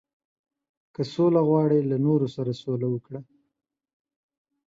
• که سوله غواړې، له نورو سره سوله وکړه.